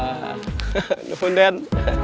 hahaha nelfon den